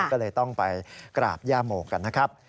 ก็เลยต้องไปกราบย่าโมกันนะครับ